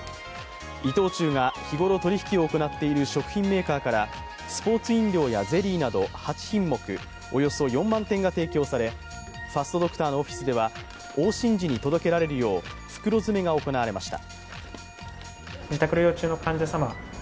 伊藤忠が日頃取引を行っている食品メーカーからスポーツ飲料やゼリーなど８品目、およそ４万点が提供され、ファストドクターのオフィスでは往診時に届けられるよう、袋詰めが行われました。